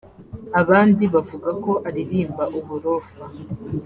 abandi bavuga ko aririmba uburofa